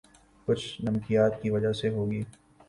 کچھ نمکیات کی وجہ سے ہوگی